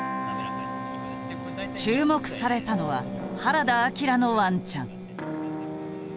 注目されたのは原田顕のワンちゃん。